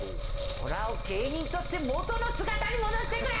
おらを芸人として元の姿に戻してくれ！